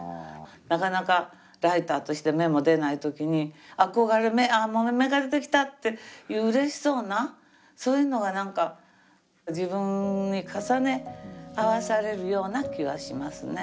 なかなかライターとして芽も出ない時にああ芽が出てきたっていううれしそうなそういうのがなんか自分に重ね合わせられるような気がしますね。